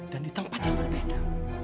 dan di tempat yang berbeda